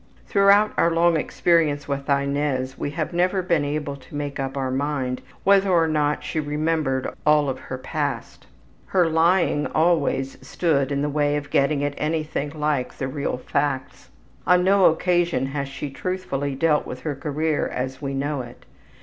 Throughout our long experience with Inez we have never been able to make up our mind whether or not she remembered all of her past. Her lying always stood in the way of getting at anything like the real facts. On no occasion has she truthfully dealt with her career as we know it.